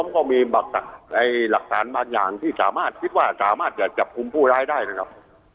ก็มีหลักฐานบางอย่างที่สามารถคิดว่าสามารถจะจับกลุ่มผู้ร้ายได้นะครับ